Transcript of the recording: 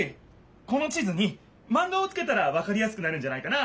この地図にマンガをつけたらわかりやすくなるんじゃないかな。